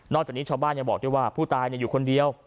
จากนี้ชาวบ้านยังบอกด้วยว่าผู้ตายอยู่คนเดียว